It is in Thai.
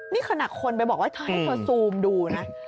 นี่ขนาดคนไปบอกว่าเธอให้เธอซูมดูนะ